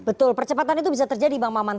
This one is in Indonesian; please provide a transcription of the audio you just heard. betul percepatan itu bisa terjadi bang maman